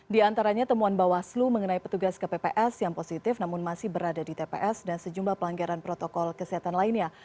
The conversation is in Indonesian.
di antaranya temuan bawaslu mengenai petugas kpps yang positif namun masih berada di tps dan sejumlah pelanggaran protokol kesehatan lainnya